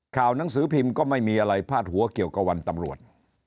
หนังสือพิมพ์ก็ไม่มีอะไรพาดหัวเกี่ยวกับวันตำรวจ